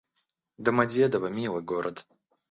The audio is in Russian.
Домодедово — милый город